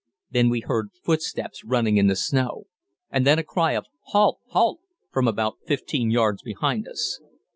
Then we heard footsteps running in the snow, and then a cry of "Halt! Halt!" from about 15 yards behind us.